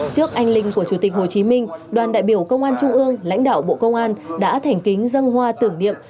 trước anh linh của chủ tịch hồ chí minh đoàn đại biểu công an trung ương lãnh đạo bộ công an đã thành kính dân hoa tưởng niệm